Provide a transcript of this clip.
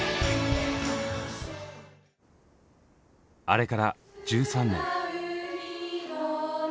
あれから１３年。